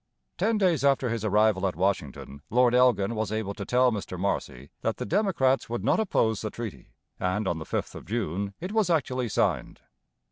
Ten days after his arrival at Washington Lord Elgin was able to tell Mr Marcy that the Democrats would not oppose the treaty, and on the fifth of June it was actually signed.